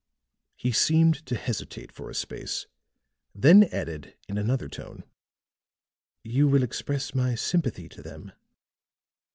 He seemed to hesitate for a space, then added in another tone: "You will express my sympathy to them?"